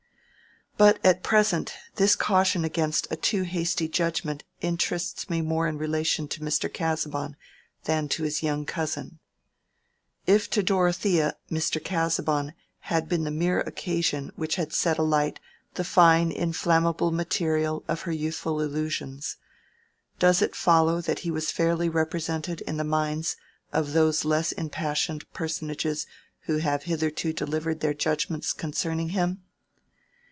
But at present this caution against a too hasty judgment interests me more in relation to Mr. Casaubon than to his young cousin. If to Dorothea Mr. Casaubon had been the mere occasion which had set alight the fine inflammable material of her youthful illusions, does it follow that he was fairly represented in the minds of those less impassioned personages who have hitherto delivered their judgments concerning him?